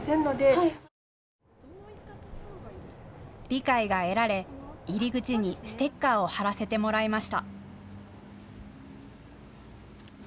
理解が得られ、入り口にステッカーを貼らせてもらいました。